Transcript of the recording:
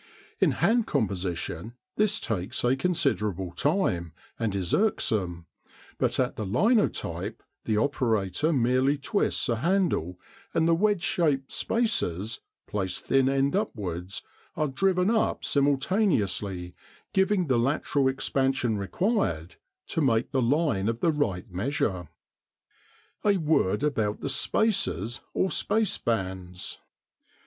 In hand composition this takes a considerable time, and is irksome; but at the linotype the operator merely twists a handle and the wedge shaped "spaces," placed thin end upwards, are driven up simultaneously, giving the lateral expansion required to make the line of the right measure. A word about the "spaces," or space bands.